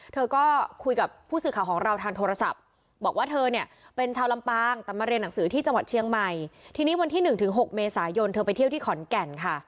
เธอก็คุยกับผู้สื่อข่าวของเราทางโทรศัพท์บอกว่าเธอเนี่ยเป็นชาวลำปางแต่มาเรียนหนังสือที่จังหวัดเชียงใหม่ทีนี้วันที่หนึ่งถึงหกเมษายนเธอไปเที่ยวที่ขอนแก่นค่ะ